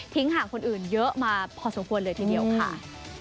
ห่างคนอื่นเยอะมาพอสมควรเลยทีเดียวค่ะ